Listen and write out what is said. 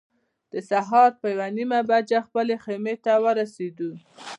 د سهار په یوه نیمه بجه خپلې خیمې ته ورسېدو.